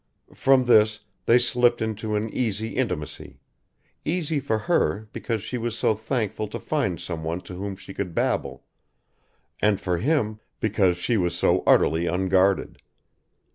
From this they slipped into an easy intimacy; easy for her because she was so thankful to find someone to whom she could babble, and for him because she was so utterly unguarded.